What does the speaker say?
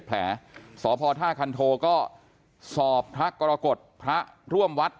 แผลสพท่าคันโทก็สอบพระกรกฎพระร่วมวัด